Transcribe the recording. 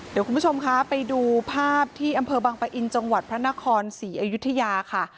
เดี๋ยวคุณผู้ชมคะไปดูภาพที่อำเภอบังปะอินจังหวัดพระนครศรีอยุธยาค่ะ